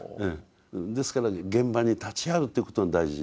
ですから現場に立ち会うっていうことが大事。